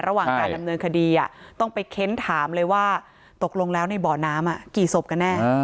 ระหว่างการดำเนินคดีต้องไปเค้นถามเลยว่าตกลงแล้วในบ่อน้ำกี่ศพกันแน่